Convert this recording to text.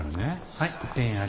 はい。